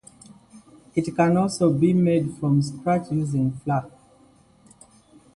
It can also be made from scratch using flour.